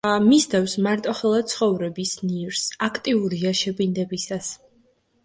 მისდევს მარტოხელა ცხოვრების ნირს, აქტიურია შებინდებისას.